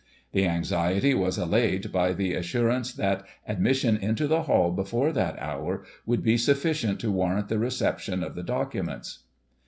This anxiety was allayed by the assurance that admission into the hall before that hour, would be sufficient to warrant the reception of the docu ments.